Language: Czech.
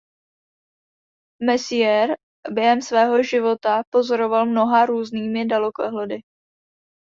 Messier během svého života pozoroval mnoha různými dalekohledy.